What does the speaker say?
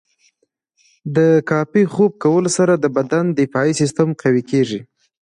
د کافي خوب کولو سره د بدن دفاعي سیستم قوي کیږي.